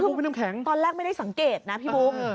ตอนแรกยังไม่ได้สังเกตนะพี่บุ้ง